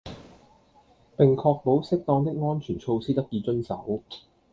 並確保適當的安全措施得以遵守